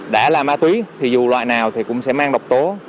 đã là ma túy thì dù loại nào thì cũng sẽ mang độc tố